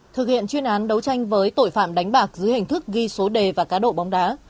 thực hiện chuyên án đấu tranh với tội phạm đánh bạc dưới hình thức ghi số đề và cá độ bóng đá